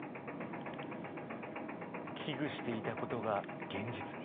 危惧していたことが現実に。